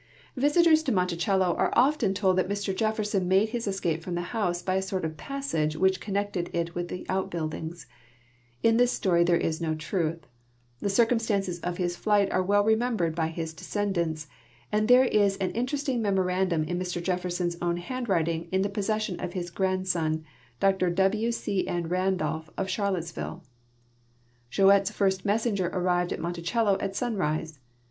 Visitors to .Monticello are often told that Mr Jefferson made his escape from the house by a sort of passage which connected it with outbuildings. In this stoiw there is no truth. 'I'lie cir cumstances of his (light are well remembered by his descendants, 278 ALBEMARLE LX REVOLUTLOXARY DAYS and there is an interesting memorandum in Mr Jefferson's own handwriting in the possession of his grandson, Dr W. C. N. Kandolph, of Charlottesville. Jouett's first messenger arrived at Monticello at sunrise.